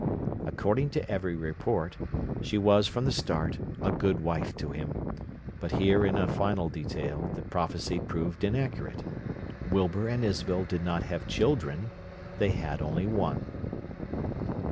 According to every report, she was from the start "a good wife to him," but here in a final detail the prophecy proved inaccurate. Wilbur and Isabel did not have children; they had only one.